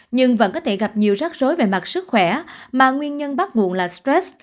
nhưng vẫn có thể gặp nhiều rắc rối về mặt sức khỏe mà nguyên nhân bắt nguồn là stress